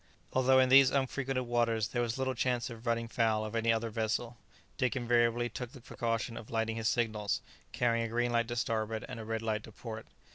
Although in these unfrequented waters there was little chance of running foul of any other vessel, Dick invariably took the precaution of lighting his signals, carrying a green light to starboard and a red light to port.